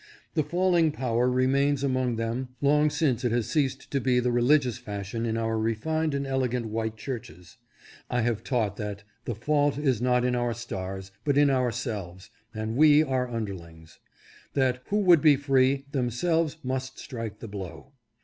The falling power remains among them long since it has ceased to be the religious fashion in our refined and elegant white churches. I have taught that the "fault is not in our stars, but in ourselves, that we are underlings," that " who would be free, themselves must strike the blow."